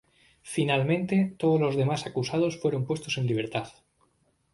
Finalmente, todos los demás acusados fueron puestos en libertad.